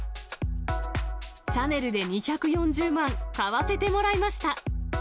シャネルで２４０万円、買わせてもらいました！